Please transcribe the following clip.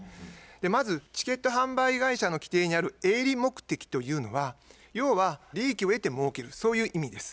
まずチケット販売会社の規程にある「営利目的」というのは要は利益を得てもうけるそういう意味です。